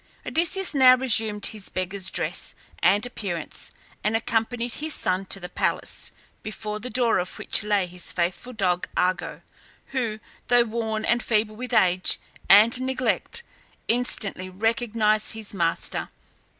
Odysseus now resumed his beggar's dress and appearance and accompanied his son to the palace, before the door of which lay his faithful dog Argo, who, though worn and feeble with age and neglect, instantly recognized his master.